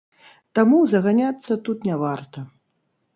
Таму заганяцца тут не варта.